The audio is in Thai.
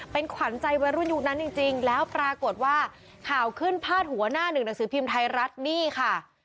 เป็นขวัญใจวัยรุ่นยุคนั้นจริงแล้วปรากฏว่าข่าวขึ้นพาดหัวหน้าหนึ่งหนังสือพิมพ์ไทยรัฐนี่ค่ะ